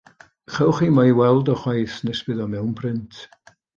Chewch chi mo'i weld o chwaith nes bydd o mewn print.